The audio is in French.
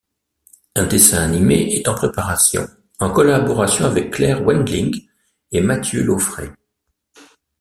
Un dessin animé est en préparation, en collaboration avec Claire Wendling et Mathieu Lauffray.